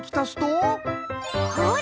ほら！